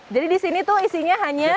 jadi di sini tuh isinya hanya